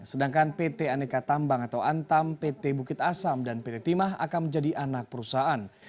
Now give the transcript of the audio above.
sedangkan pt aneka tambang atau antam pt bukit asam dan pt timah akan menjadi anak perusahaan